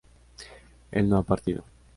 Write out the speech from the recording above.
él no ha partido